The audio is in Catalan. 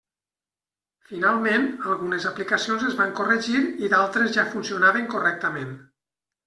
Finalment, algunes aplicacions es van corregir i d'altres ja funcionaven correctament.